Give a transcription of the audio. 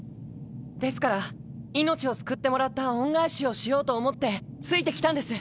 ですから命を救ってもらった恩返しをしようと思ってついてきたんです。